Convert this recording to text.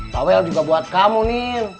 tawel juga buat kamu nin